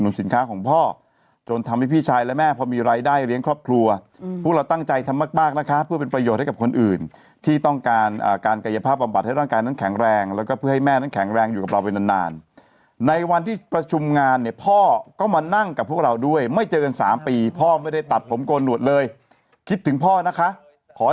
สินค้าของพ่อจนทำให้พี่ชายและแม่พอมีรายได้เลี้ยงครอบครัวพวกเราตั้งใจทำมากมากนะคะเพื่อเป็นประโยชน์ให้กับคนอื่นที่ต้องการการกายภาพบำบัดให้ร่างกายนั้นแข็งแรงแล้วก็เพื่อให้แม่นั้นแข็งแรงอยู่กับเราไปนานนานในวันที่ประชุมงานเนี่ยพ่อก็มานั่งกับพวกเราด้วยไม่เจอกันสามปีพ่อไม่ได้ตัดผมโกนหนวดเลยคิดถึงพ่อนะคะขอให้